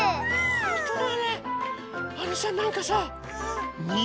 ほんとだ！